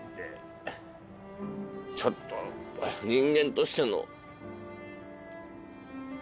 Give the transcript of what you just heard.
ちょっと人間としての。